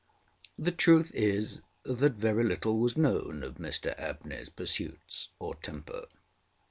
The truth is that very little was known of Mr AbneyŌĆÖs pursuits or temper.